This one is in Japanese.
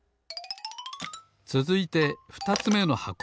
つづいてふたつめの箱。